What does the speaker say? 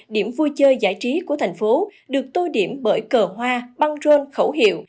điểm vui chơi giải trí của thành phố được tô điểm bởi cờ hoa băng rôn khẩu hiệu